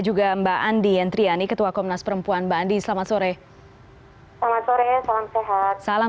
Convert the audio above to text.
juga mbak andi yentriani ketua komnas perempuan mbak andi selamat sore selamat sore salam sehat salam